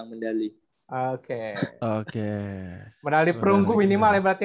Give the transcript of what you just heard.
mendali perunggu minimal ya berarti